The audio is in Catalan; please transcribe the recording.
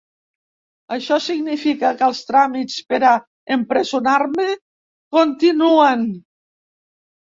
Això significa que els tràmits per a empresonar-me continuen.